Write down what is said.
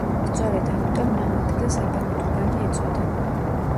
სწორედ ამიტომ, ამ ადგილს აბანოთუბანი ეწოდა.